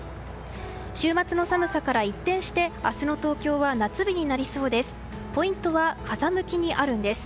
週末の寒さから一転して明日の東京は夏日になりそうです。